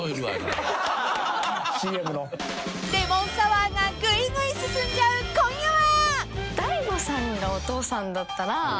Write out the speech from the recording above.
［レモンサワーがグイグイ進んじゃう今夜は］